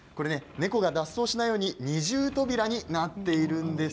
猫が脱走しないように二重扉になっているんです。